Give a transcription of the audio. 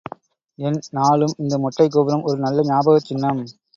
என் நாலும் இந்த மொட்டைக் கோபுரம் ஒரு நல்ல ஞாபகச் சின்னம்.